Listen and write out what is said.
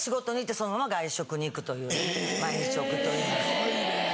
すごいね。